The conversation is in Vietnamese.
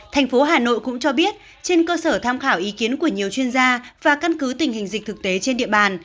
thành phố hà nội cũng cho biết trên cơ sở tham khảo ý kiến của nhiều chuyên gia và căn cứ tình hình dịch thực tế trên địa bàn